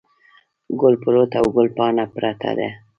ګل پروت او ګل پاڼه پرته ده.